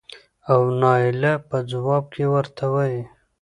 او نايله په ځواب کې ورته وايې